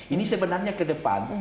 ini sebenarnya ke depan